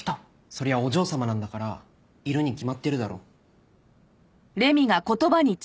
そりゃお嬢様なんだからいるに決まってるだろ。